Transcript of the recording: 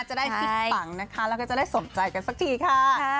จะได้คิดปังนะคะแล้วก็จะได้สมใจกันสักทีค่ะ